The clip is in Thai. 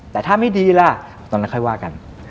แต่ถ้าไม่ดีล่ะตอนนั้นค่อยว่ากัน